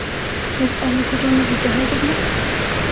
Һеҙ әле һыҙланыу һиҙәһегеҙме?